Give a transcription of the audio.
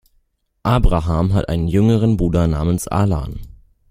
Abraham hat einen jüngeren Bruder namens Alan.